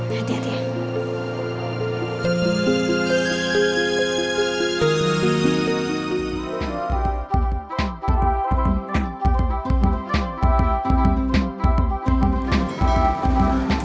aku mau pindah ke rumah